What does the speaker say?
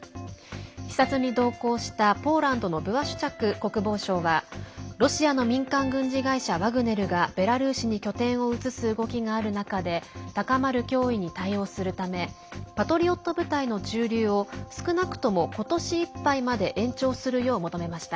視察に同行したポーランドのブワシュチャク国防相はロシアの民間軍事会社ワグネルがベラルーシに拠点を移す動きがある中で高まる脅威に対応するためパトリオット部隊の駐留を少なくとも今年いっぱいまで延長するよう求めました。